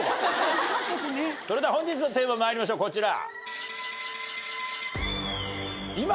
それでは本日のテーマまいりましょうこちら。